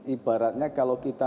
ibaratnya kalau kita